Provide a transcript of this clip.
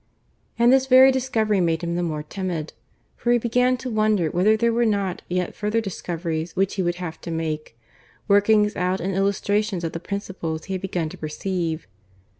And this very discovery made him the more timid. For he began to wonder whether there were not yet further discoveries which he would have to make workings out and illustrations of the principles he had begun to perceive.